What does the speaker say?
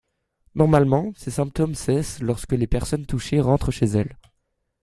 Normalement, ces symptômes cessent lorsque les personnes touchées rentrent chez elles.